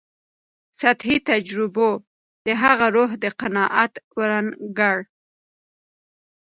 سطحي تجربو د هغه روح ته قناعت ورنکړ.